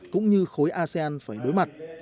cũng như khối asean phải đối mặt